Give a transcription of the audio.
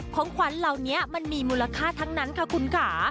ของขวัญเหล่านี้มันมีมูลค่าทั้งนั้นค่ะคุณค่ะ